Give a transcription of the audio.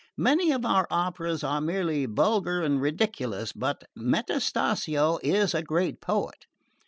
Many of our operas are merely vulgar and ridiculous; but Metastasio is a great poet."